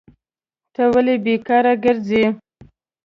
ته ولي بیکاره کرځي؟